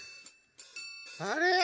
あれ？